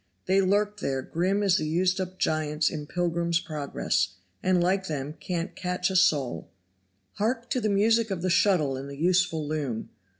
They lurk there grim as the used up giants in "Pilgrim's Progress," and like them can't catch a soul. Hark to the music of the shuttle and the useful loom.